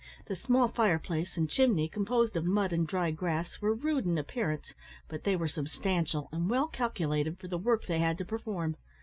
The small fire place and chimney, composed of mud and dry grass, were rude in appearance; but they were substantial, and well calculated for the work they had to perform.